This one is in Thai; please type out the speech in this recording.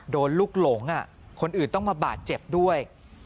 โดนลูกหลงคนอื่นต้องมาบาดเจ็บด้วย